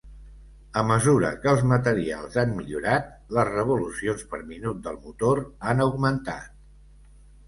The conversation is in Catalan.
A mesura que els materials han millorar, les revolucions per minut del motor han augmentat.